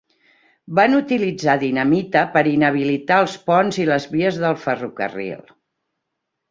Van utilitzar dinamita per inhabilitar els ponts i les vies del ferrocarril.